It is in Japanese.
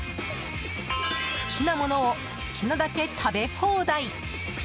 好きなものを好きなだけ食べ放題。